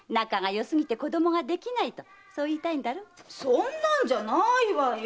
そんなんじゃないわよ。